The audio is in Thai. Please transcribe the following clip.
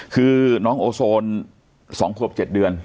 คือน้องโอโซน๒ขวบ๗เดือน